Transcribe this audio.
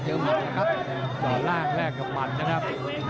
ตอนล่างแรกกับหมันนะครับ